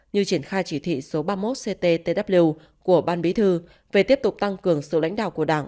như triển khai chỉ thị số ba mươi một cttw của ban bí thư về tiếp tục tăng cường sự lãnh đạo của đảng